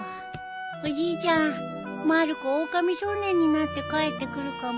おじいちゃんまる子おおかみ少年になって帰ってくるかも。